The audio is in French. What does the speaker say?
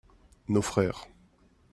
nos frères.